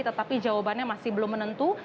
tetapi jawabannya masih belum menentu